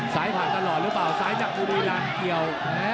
ซ้ายผ่านตลอดหรือเปล่าซ้ายจับตัวด้วยรันเกี่ยว